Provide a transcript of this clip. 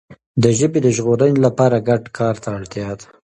د ژبي د ژغورنې لپاره ګډ کار ته اړتیا ده.